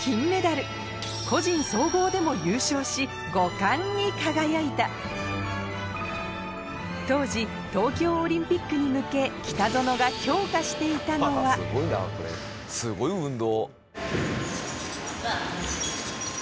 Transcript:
さらにに輝いた当時東京オリンピックに向け北園が強化していたのはすごい運動。